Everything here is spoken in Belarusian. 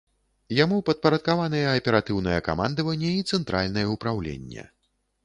Яму падпарадкаваныя аператыўнае камандаванне і цэнтральнае ўпраўленне.